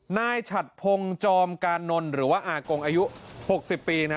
นายฉัดพงจอมกานนล์หรือว่าอากงอายุ๖๐ปี